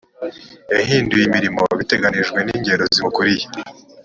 yahinduye imirimo biteganijwe n ingero zimukuriye.